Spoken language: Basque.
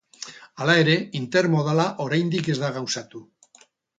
Hala ere, intermodala oraindik ez da gauzatu.